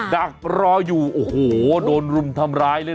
ดักรออยู่โอ้โหโดนรุมทำร้ายเลย